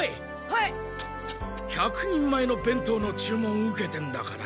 １００人前のべんとうの注文を受けてんだから。